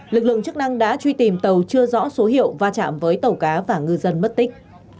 lực lượng chức năng đã truy tìm tàu chưa rõ số hiệu va chạm với tàu cá và ngư dân mất tích